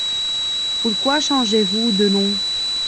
Pourquoi changez-vous de nom ?